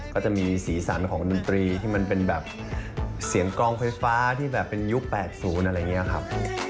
ก็จะมีสีสันของดนตรีที่มันเป็นแบบเสียงกองไฟฟ้าที่แบบเป็นยุค๘๐อะไรอย่างนี้ครับ